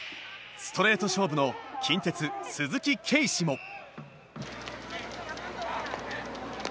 ストレート勝負の近鉄鈴木啓示も。